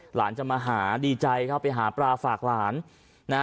หลานจะมาหาดีใจเข้าไปหาปลาฝากหลานนะฮะ